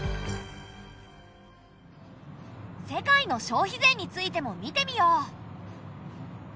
世界の消費税についても見てみよう。